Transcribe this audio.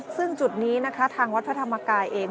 ซึ่งจุดนี้นะคะทางวัดพระธรรมกายเอง